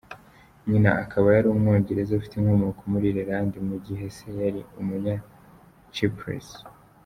Nyina akaba yari umwongereza ufite inkomoko muri Irelande mu gihe Se yari Umunya-Chypres.